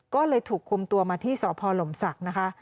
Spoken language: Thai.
ก็เลยถูกคุมตัวมาที่สพลมศักดิ์นะคะ